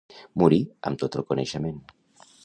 Morir amb tot el coneixement.